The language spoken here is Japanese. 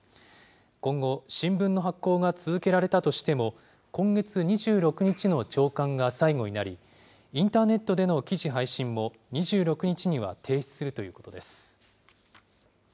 今後、新聞の発行が続けられたとしても、今月２６日の朝刊が最後になり、インターネットでの記事配信も２６日には停止するということです。